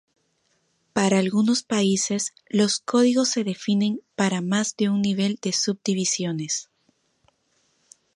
Para algunos países, los códigos se definen para más de un nivel de subdivisiones.